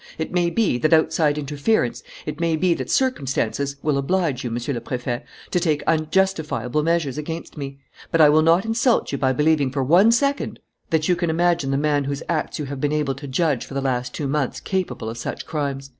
It may be that outside interference, it may be that circumstances, will oblige you, Monsieur le Préfet, to take unjustifiable measures against me; but I will not insult you by believing for one second that you can imagine the man whose acts you have been able to judge for the last two months capable of such crimes.